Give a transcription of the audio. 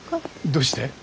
どうして？